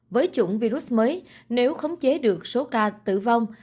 với chủng virus mới nếu khống chế được số ca tử vong